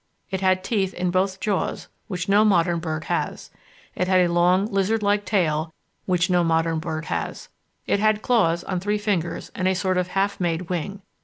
It had teeth in both jaws, which no modern bird has; it had a long lizard like tail, which no modern bird has; it had claws on three fingers, and a sort of half made wing.